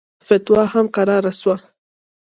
فتوا هم کراره سوه.